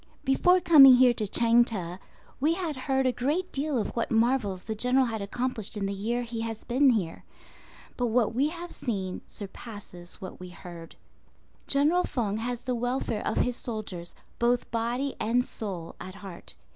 Before coming here to Chang teh, we had heard a great deal of what marvels the General had accomplished in the year he has been here; but what we have seen surpasses what we heard. General Feng has the welfare of his soldiers, both body and soul, at heart.